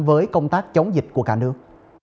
với công tác chống dịch của cả nước